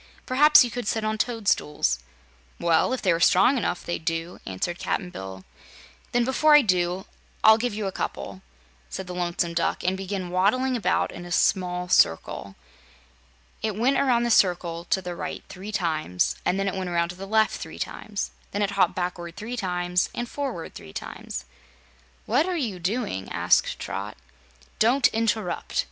Perhaps you could sit on toadstools." "Well, if they were strong enough, they'd do," answered Cap'n Bill. "Then, before I do I'll give you a couple," said the Lonesome Duck, and began waddling about in a small circle. It went around the circle to the right three times, and then it went around to the left three times. Then it hopped backward three times and forward three times. "What are you doing?" asked Trot. "Don't interrupt.